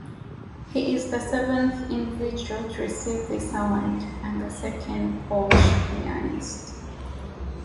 He is the seventh individual to receive this award, and the second Polish pianist.